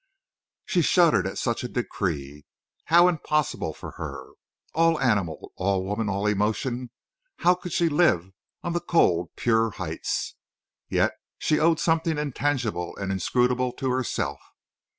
She shuddered at such a decree. How impossible for her! All animal, all woman, all emotion, how could she live on the cold, pure heights? Yet she owed something intangible and inscrutable to herself.